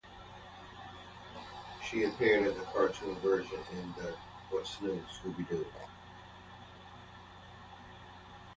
She appeared as a cartoon version of herself in the What's New, Scooby Doo?